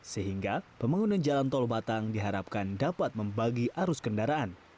sehingga pembangunan jalan tol batang diharapkan dapat membagi arus kendaraan